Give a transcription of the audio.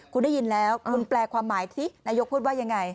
คุณได้ยินแล้วคุณแปลความหมายสินายกพูดว่ายังไง